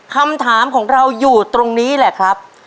คำถามของเราอยู่ตรงนี้แหละครับ